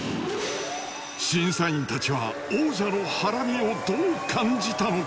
審査員たちは王者のハラミをどう感じたのか？